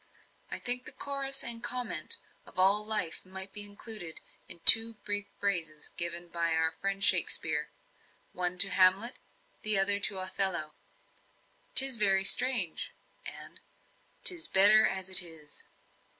"I think the chorus and comment on all life might be included in two brief phrases given by our friend Shakspeare, one to Hamlet, the other to Othello: ''Tis very strange,' and ''Tis better as it is.'"